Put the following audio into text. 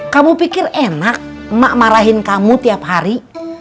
kamu pikir enak mak marahin kamu tiap hari